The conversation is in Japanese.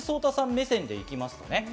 目線でいきます。